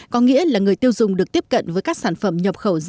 có nghĩa là người tiêu dùng được tiếp cận với các sản phẩm nhập khẩu da